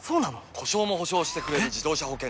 故障も補償してくれる自動車保険といえば？